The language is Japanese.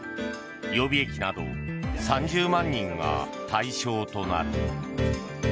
予備役など３０万人が対象となる。